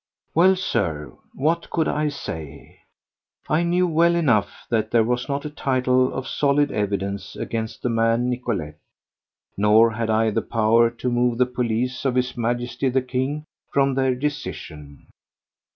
Well, Sir, what could I say? I knew well enough that there was not a tittle of solid evidence against the man Nicolet, nor had I the power to move the police of His Majesty the King from their decision.